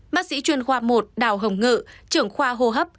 bác sĩ chuyên khoa một đào hồng ngự trưởng khoa hô hấp